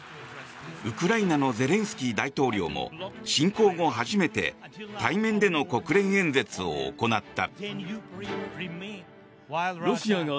ウクライナのゼレンスキー大統領も侵攻後初めて対面での国連演説を行った。